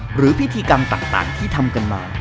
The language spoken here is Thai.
หรือพิธีกรรมต่างที่ทำกันมา